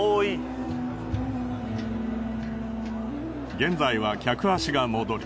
現在は客足が戻り